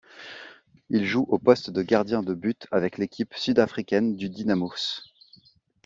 Il joue au poste de gardien de but avec l'équipe sud-africaine du Dynamos.